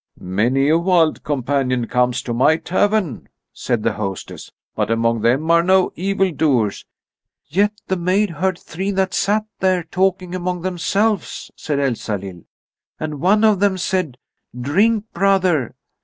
"Many a wild companion comes to my tavern," said the hostess, "but among them are no evildoers." "Yet the maid heard three that sat there talking among themselves," said Elsalill, "and one of them said: 'Drink, brother!